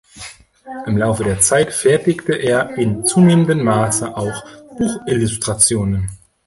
Im Laufe der Zeit fertigte er in zunehmendem Maße auch Buchillustrationen.